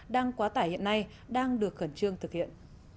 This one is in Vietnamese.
đang quá tải hiện nay đang được khẩn trương thực hiện